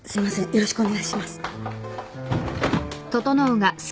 よろしくお願いします。